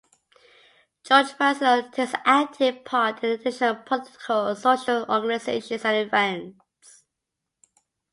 George Vassiliou takes active part in international political and social organizations and events.